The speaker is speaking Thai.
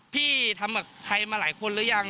พี่ทำกับใครมาหลายคนหรือยัง